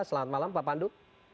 selamat malam pak pandu